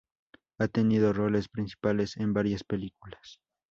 Ha tenido roles principales en varias películas.